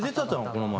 この前。